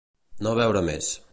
No beure més.